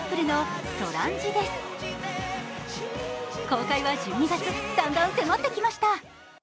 公開は１２月、だんだん迫ってきました。